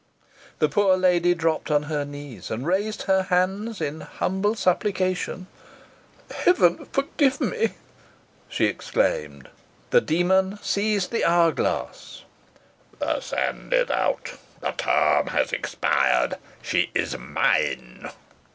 The poor lady dropped on her knees, and raised her hands in humble supplication "Heaven forgive me!" she exclaimed. The demon seized the hourglass. "The sand is out her term has expired she is mine!"